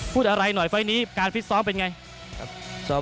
พูดอะไรหน่อยไฟล์นี้การฟิตซ้อมเป็นไง